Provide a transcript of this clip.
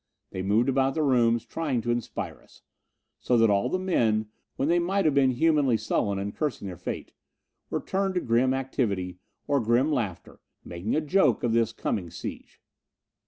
They moved about the rooms, trying to inspire us; so that all the men, when they might have been humanly sullen and cursing their fate, were turned to grim activity, or grim laughter, making a joke of this coming siege.